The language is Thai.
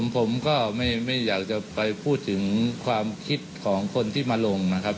ผมก็ไม่อยากจะไปพูดถึงความคิดของคนที่มาลงนะครับ